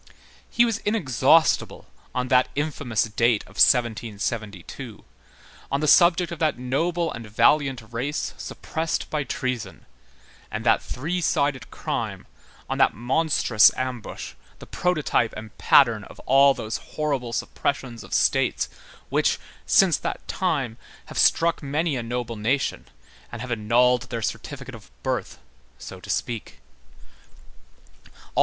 He was inexhaustible on that infamous date of 1772, on the subject of that noble and valiant race suppressed by treason, and that three sided crime, on that monstrous ambush, the prototype and pattern of all those horrible suppressions of states, which, since that time, have struck many a noble nation, and have annulled their certificate of birth, so to speak.